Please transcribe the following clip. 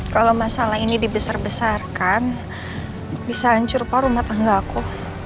kalau masalah ini dibesar besarkan bisa hancur pak rumah tangga aku